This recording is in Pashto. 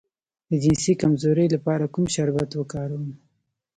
د جنسي کمزوری لپاره کوم شربت وکاروم؟